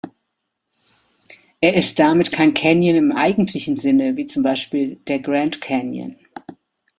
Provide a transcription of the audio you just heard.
Er ist damit kein Canyon im eigentlichen Sinne wie zum Beispiel der Grand Canyon.